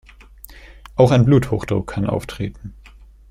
Auch ein Bluthochdruck kann auftreten.